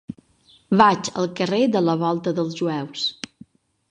Vaig al carrer de la Volta dels Jueus.